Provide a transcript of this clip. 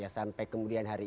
sampai kemudian hari ini